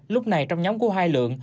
lúc này trong nhóm của hai lượng